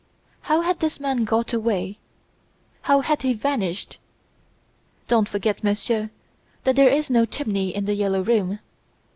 How had this man got away? How had he vanished? Don't forget, monsieur, that there is no chimney in "The Yellow Room".